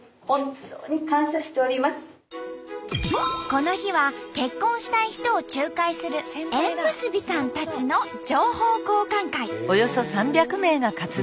この日は結婚したい人を仲介する縁結びさんたちの情報交換会。